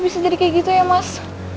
bisa jadi kayak gitu ya mas